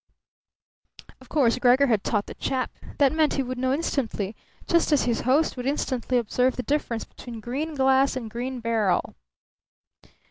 Of course Gregor had taught the chap. That meant he would know instantly; just as his host would instantly observe the difference between green glass and green beryl.